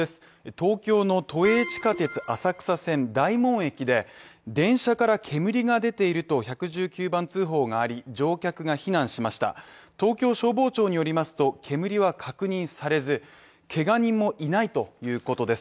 東京の都営地下鉄浅草線大門駅で電車から煙が出ていると１１９番通報があり、乗客が避難しました東京消防庁によりますと、煙は確認されずけが人もいないということです。